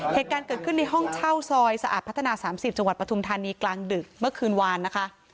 เหตุการณ์เกิดขึ้นในห้องเช่าซอยสะอาดพัฒนา๓๐จังหวัดปฐุมธานีกลางดึกเมื่อคืนวานนะคะ